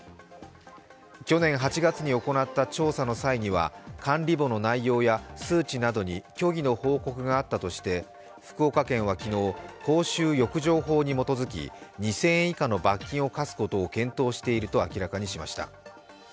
去年８月に行った調査の際には管理簿の内容や数値などに虚偽の報告があったとして、福岡県は昨日公衆浴場法に基づき２０００円以下の罰金を科すことを検討していると明らかにしました。